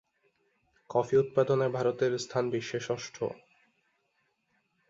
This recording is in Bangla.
কফি উৎপাদনে ভারতের স্থান বিশ্বে ষষ্ঠ।